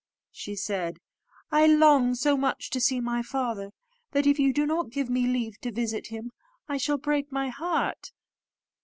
she said, "I long so much to see my father, that if you do not give me leave to visit him, I shall break my heart."